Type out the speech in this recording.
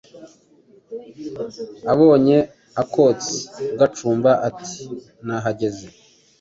abonye akotsi gacumba, ati nahageze